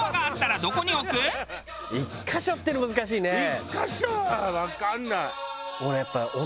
１カ所はわかんない。